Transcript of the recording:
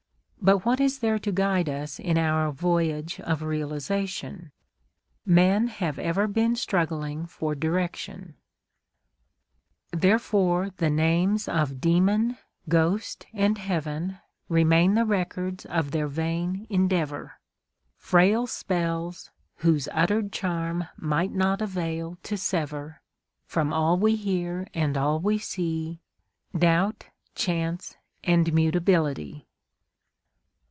But what is there to guide us in our voyage of realisation? Men have ever been struggling for direction: Therefore the names of Demon, Ghost, and Heaven Remain the records of their vain endeavour, Frail spells,—whose uttered charm might not avail to sever, From all we hear and all we see, Doubt, chance and mutability.